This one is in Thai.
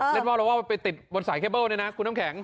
ว่าเราว่าไปติดบนสายเคเบิ้ลเนี่ยนะคุณน้ำแข็ง